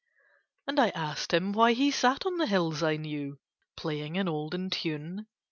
And I asked him why he sat on the hills I knew, playing an olden tune.